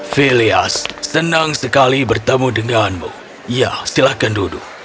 filias senang sekali bertemu denganmu ya silahkan duduk